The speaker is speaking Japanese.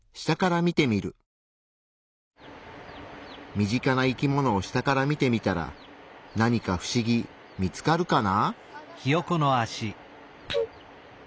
身近な生き物を下から見てみたらなにかフシギ見つかるかな？